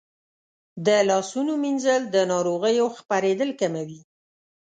د لاسونو مینځل د ناروغیو خپرېدل کموي.